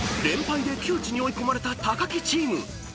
［連敗で窮地に追い込まれた木チーム］